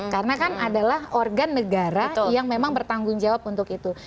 karena kan adalah organ negara yang memang bertanggung jawab untuk itu